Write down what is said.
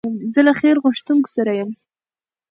زه له خیر غوښتونکو سره یم.